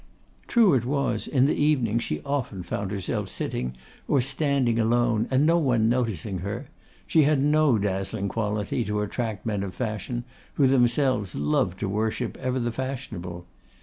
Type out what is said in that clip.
True it was, in the evening she often found herself sitting or standing alone and no one noticing her; she had no dazzling quality to attract men of fashion, who themselves love to worship ever the fashionable.